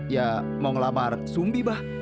ya mau ngelamar sumbi bah